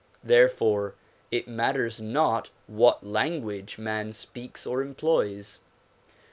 Therefore it matters not what language man speaks or employs.